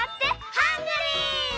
ハングリー！